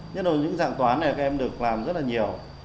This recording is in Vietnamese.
nhất là những dạng toán này các em được làm rất là nhiều